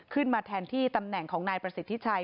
ขึ้นมาแทนที่ตำแหน่งของนายประสิทธิชัย